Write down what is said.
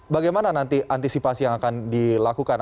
bagaimana nanti antisipasi yang akan dilakukan